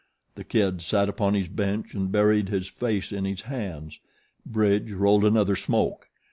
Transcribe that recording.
The Kid sat upon his bench and buried his face in his hands. Bridge rolled another smoke.